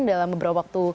dalam beberapa waktu